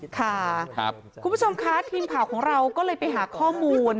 ค่ะคุณผู้ชมค่ะทีมข่าวของเราก็เลยไปหาข้อมูล